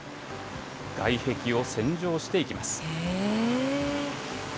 外壁を洗浄していきます。